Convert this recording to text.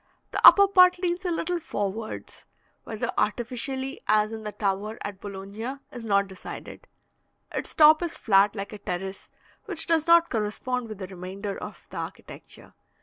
The upper part leans a little forwards (whether artificially, as in the tower at Bologna, is not decided); its top is flat, like a terrace, which does not correspond with the remainder of the architecture.